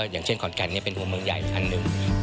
อย่างเช่นขอนแก่นเป็นหัวเมืองใหญ่อันหนึ่ง